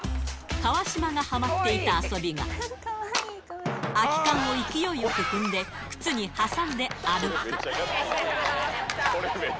川島がはまっていた遊びが、空き缶を勢いよく踏んで、靴に挟んで歩く。